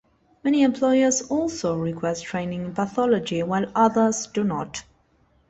Many employers also request training in pathology while others do not.